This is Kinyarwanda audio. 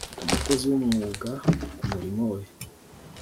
ni umukozi wumwuga ku murimo we